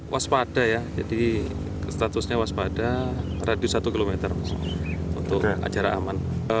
waspada ya jadi statusnya waspada radius satu km untuk acara aman